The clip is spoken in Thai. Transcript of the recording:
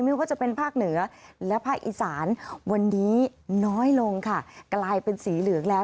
ไม่ว่าจะเป็นภาคเหนือและภาคอีสานวันนี้น้อยลงค่ะกลายเป็นสีเหลืองแล้ว